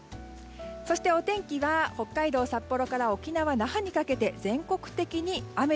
そしてお天気は北海道・札幌沖縄・那覇にかけて全国的に雨。